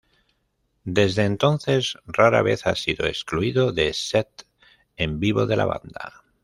Desde entonces, rara vez ha sido excluido de set en vivo de la banda.